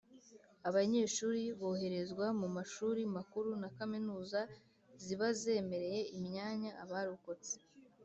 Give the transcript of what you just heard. Abanyeshuri boherezwa mu mashuri makuru na kaminuza zibazemereye imyanya abarokotse